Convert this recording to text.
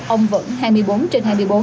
ông vẫn hai mươi bốn trên hai mươi bốn